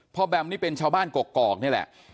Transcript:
แบมนี่เป็นชาวบ้านกกอกนี่แหละ